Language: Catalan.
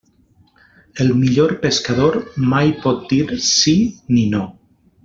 El millor pescador mai pot dir sí ni no.